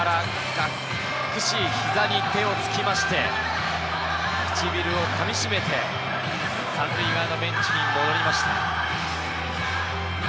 がっくし、膝に手を置きまして、唇をかみしめて、３塁側のベンチに戻りました。